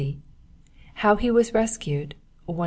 How he was rescued (151).